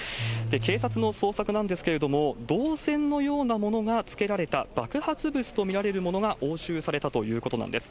警察の捜索なんですけれども、銅線のようなものが付けられた爆発物と見られるものが押収されたということなんです。